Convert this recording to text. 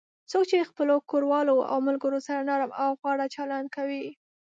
څوک چې خپلو کوروالو او ملگرو سره نرم او غوره چلند کوي